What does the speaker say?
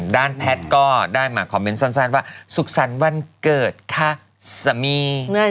ด้านแพทย์ก็ได้มาคอมเมนต์สั้นว่าสุขสรรค์วันเกิดค่ะสามี